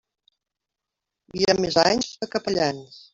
Hi ha més anys que capellans.